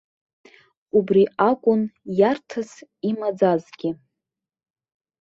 Убри акәын иарҭас имаӡазгьы.